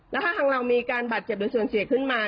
แล้วถ้าทางเรามีการบาดเจ็บหรือส่วนเสียขึ้นมา